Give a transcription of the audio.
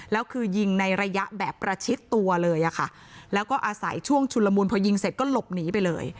แล้วคือยิงในระยะแบบประชิดตัวเลยอะค่ะแล้วก็อาศัยช่วงชุนละมุนพอยิงเสร็จก็หลบหนีไปเลย